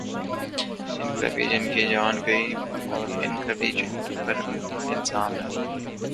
ان کا بھی جن کی جان گئی اوران کا بھی جن پر الزام ہے۔